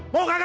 mau gak lo